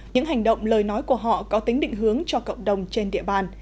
những hành động lời nói của họ có tính định hướng cho cộng đồng trên địa bàn